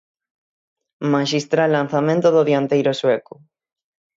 Maxistral lanzamento do dianteiro sueco.